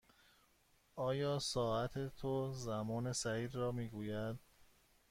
آیا ساعت تو زمان صحیح را می گوید؟